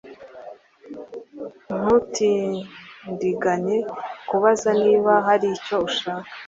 Ntutindiganye kubaza niba hari icyo ushaka